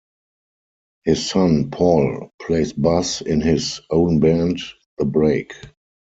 His son, Paul, plays bass in his own band, The Break.